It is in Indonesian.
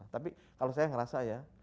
tapi kalau saya ngerasa ya